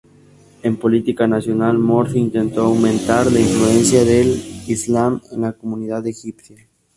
En política nacional, Morsi intentó aumentar la influencia del islam en la comunidad egipcia.